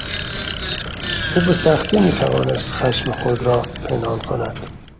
او به سختی میتوانست خشم خود را پنهان کند.